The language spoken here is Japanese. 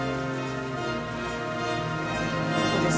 ここです。